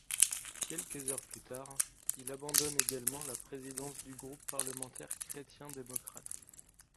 Quelques heures plus tard, il abandonne également la présidence du groupe parlementaire chrétien-démocrate.